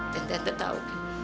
dan tante tahu